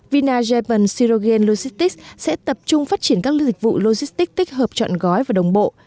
vina japan sirogen logistics sẽ tập trung phát triển các lưu dịch vụ logistics tích hợp chọn gói và đồng bộ